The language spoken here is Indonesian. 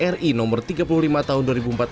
ri nomor tiga puluh lima tahun dua ribu empat belas